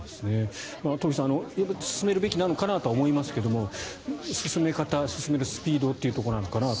東輝さん進めるべきなのかなとは思いますが、進め方進めるスピードなのかなと。